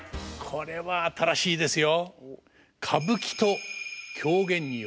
これは新しいですよ。